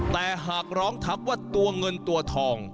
แต่หากร้องทักว่าตัวเงินตัวทอง